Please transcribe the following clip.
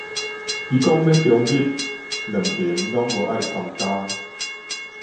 伊講欲中立，兩爿攏無愛參加